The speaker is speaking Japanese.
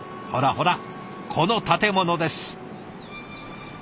ほらほらこの建物です。